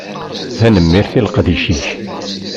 Tanemmirt i leqdic-ik.